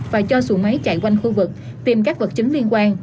và cho xuồng máy chạy quanh khu vực tìm các vật chứng liên quan